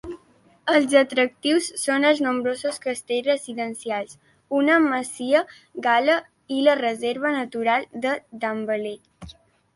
Els atractius són els nombrosos castells residencials, una masia gal·la i la reserva natural de Damvallei.